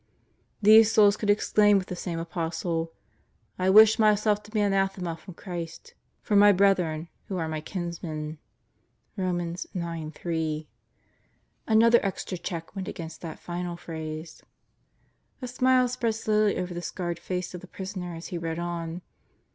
"These souls could exclaim with the same Apostle: <I wished myself to be an anathema from Christ, for my brethren, who are my kinsmen' (Rom. 9:3)." Another extra check went against that final phrase. A smile spread slowly over the scarred face of the prisoner as he read on.